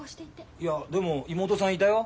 いやでも妹さんいたよ。